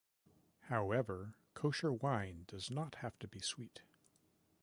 However, Kosher wine does not have to be sweet.